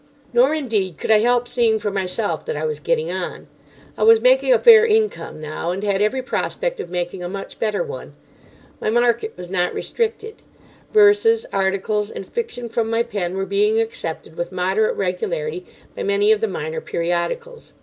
Nor, indeed, could I help seeing for myself that I was getting on. I was making a fair income now, and had every prospect of making a much better one. My market was not restricted. Verses, articles, and fiction from my pen were being accepted with moderate regularity by many of the minor periodicals.